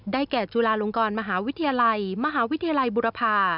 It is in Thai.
แก่จุฬาลงกรมหาวิทยาลัยมหาวิทยาลัยบุรพา